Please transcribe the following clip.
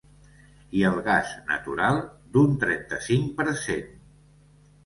I el gas natural, d’un trenta-cinc per cent!